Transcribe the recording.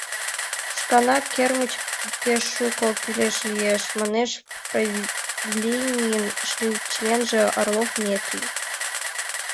Шканнак кермыч пеш шуко кӱлеш лиеш, — манеш правленийын членже Орлов Метрий.